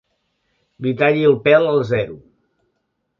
Li talli el pèl al zero.